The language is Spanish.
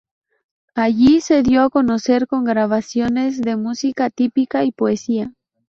Allí se dio a conocer con grabaciones de música típica y poesía.